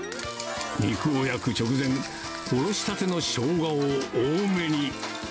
肉を焼く直前、おろしたてのショウガを多めに。